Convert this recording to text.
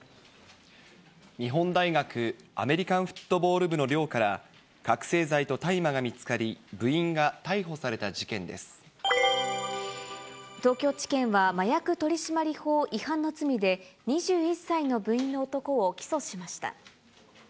日本大学アメリカンフットボール部の寮から覚醒剤と大麻が見つかり、部員が逮捕された事件で東京地検は、麻薬取締法違反の罪で、２１歳の部員の男を起訴しました。